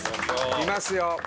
見ますよ！